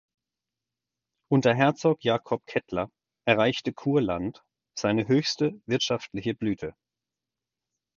Unter Herzog Jakob Kettler erreichte Kurland seine höchste wirtschaftliche Blüte.